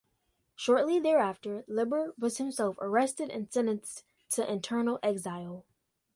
Shortly thereafter, Liber was himself arrested and sentenced to internal exile.